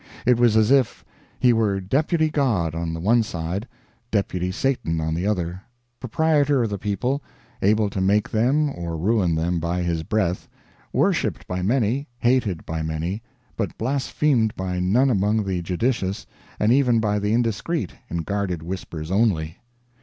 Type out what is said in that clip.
It was as if he were deputy God on the one side, deputy Satan on the other, proprietor of the people, able to make them or ruin them by his breath, worshiped by many, hated by many, but blasphemed by none among the judicious, and even by the indiscreet in guarded whispers only.